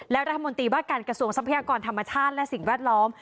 และรัฐมนตรีว่าการกระทรวงทรัพยากรธรรมชาติและสิ่งแวดล้อม